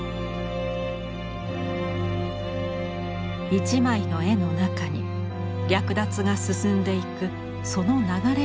一枚の絵の中に掠奪が進んでいくその流れを描く。